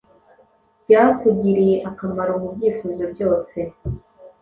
byakugiriye akamaro mubyifuzo byose